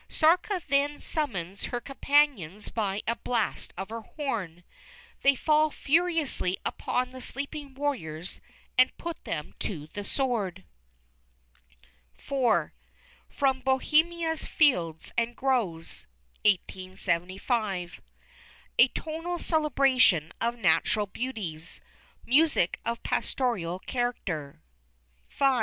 Sárka then summons her companions by a blast of her horn; they fall furiously upon the sleeping warriors and put them to the sword. IV. "FROM BOHEMIA'S FIELDS AND GROVES" A tonal celebration of natural beauties; music of pastoral character. V.